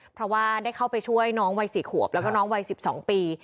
เพราะว่าได้เข้าไปช่วยน้องวัย๔ขวบแล้วก็น้องวัย๑๒ปี